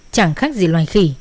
chẳng khác gì loài khỉ